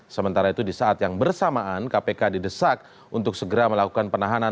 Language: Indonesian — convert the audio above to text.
sementara itu di saat yang bersamaan kpk didesak untuk segera melakukan penahanan